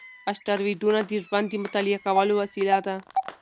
اسټروېډونه د ژوند د مطالعه کولو وسیله دي.